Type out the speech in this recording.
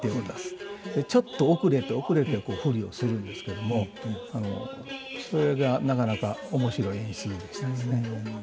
ちょっと遅れて遅れて振りをするんですけどもそれがなかなか面白い演出でしたですね。